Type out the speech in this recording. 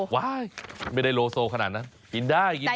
ไม่ได้โลโซขนาดนั้นกินได้กินได้